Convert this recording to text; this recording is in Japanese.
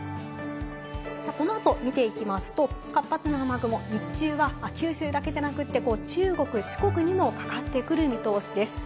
このあと見ていきますと、活発な雨雲、日中は九州だけじゃなくて、中国・四国にもかかってくる見通しです。